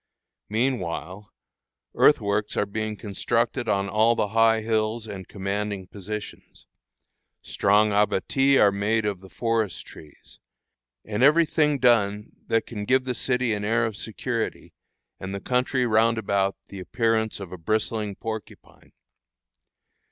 Meanwhile, earthworks are being constructed on all the high hills and commanding positions; strong abatis are made of the forest trees, and every thing done that can give the city an air of security, and the country round about the appearance of a bristling porcupine.